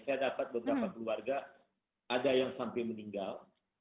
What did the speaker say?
saya dapat beberapa keluarga ada yang sampai meninggal